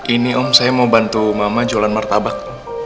ini om saya mau bantu mama jualan martabak